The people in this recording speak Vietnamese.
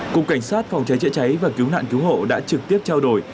cục cảnh sát phòng cháy chữa cháy và cứu nạn cứu hộ đã trực tiếp trao đổi